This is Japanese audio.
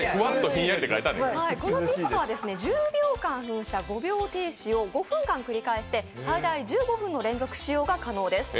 このミストは１０秒間噴射５秒停止を繰り替えして最大１５分の連続使用が可能です。